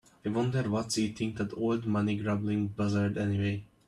I wonder what's eating that old money grubbing buzzard anyway?